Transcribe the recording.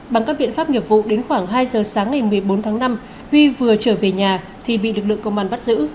bằng các biện pháp nghiệp vụ đến khoảng hai giờ sáng ngày một mươi bốn tháng năm huy vừa trở về nhà thì bị lực lượng công an bắt giữ